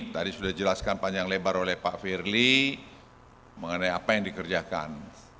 tadi sudah dijelaskan panjang lebar oleh pak firly mengenai apa yang dikerjakan